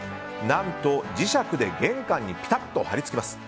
何と磁石で玄関にピタッと貼りつきます。